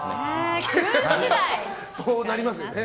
そうなりますよね。